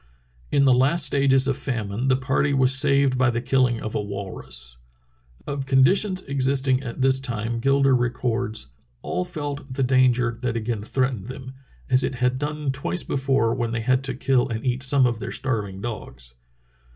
In the last stages of famine the party was saved by the killing of a walrus. Of conditions existing at this time Gilder records: "All felt the danger that again 326 True Tales of Arctic Heroism threatened them, as it had done twice before when they had to kill and eat some of their starving dogs.